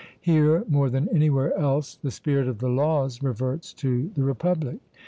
Here, more than anywhere else, the spirit of the Laws reverts to the Republic.